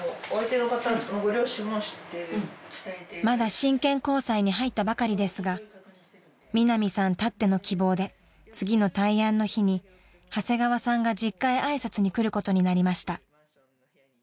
［まだ真剣交際に入ったばかりですがミナミさんたっての希望で次の大安の日に長谷川さんが実家へ挨拶に来ることになりました］